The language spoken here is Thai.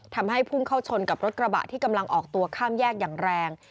ทำให้พุ่งเข้าชนกับรถกระบะที่กำลังออกตัวข้ามแยกอย่างแรง